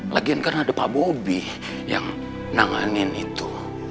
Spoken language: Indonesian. lagian kan ada pak bobi yang nanganin itu